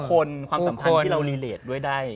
คนความสำคัญที่เราคูลกเอกได้